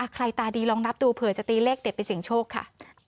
ตาดีลองนับดูเผื่อจะตีเลขเด็ดไปเสี่ยงโชคค่ะ